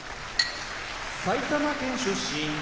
埼玉県出身